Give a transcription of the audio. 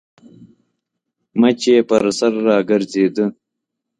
مچ يې پر سر راګرځېده.